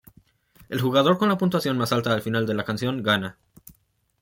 El jugador con la puntuación más alta al final de la canción gana.